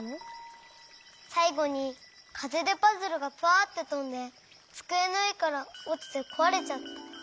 さいごにかぜでパズルがパァってとんでつくえのうえからおちてこわれちゃった。